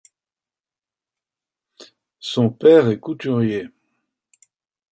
Son père est couturier.